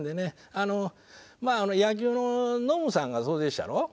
あのまあ野球のノムさんがそうでしたろ。